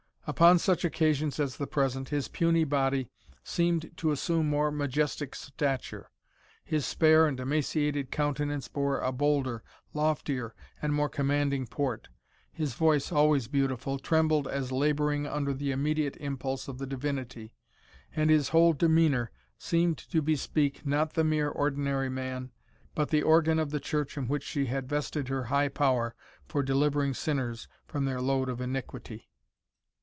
Upon such occasions as the present, his puny body seemed to assume more majestic stature his spare and emaciated countenance bore a bolder, loftier, and more commanding port his voice, always beautiful, trembled as labouring under the immediate impulse of the Divinity and his whole demeanour seemed to bespeak, not the mere ordinary man, but the organ of the Church in which she had vested her high power for delivering sinners from their load of iniquity.